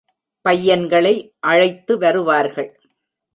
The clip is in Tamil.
பையன்களை அழைத்து வருவார்கள்.